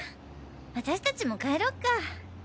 私たちも帰ろっか。